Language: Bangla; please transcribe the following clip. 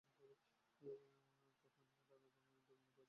তখন ইহার বাগিন্দ্রিয় মনে প্রবেশ করে।